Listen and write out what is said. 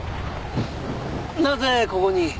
なぜここに？